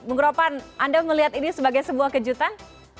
bukrovan anda melihat ini sebagai sebuah kejutan